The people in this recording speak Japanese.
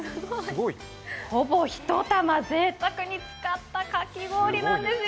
ほぼ１玉ぜいたくに使ったかき氷なんですよ。